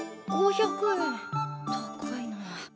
高いな。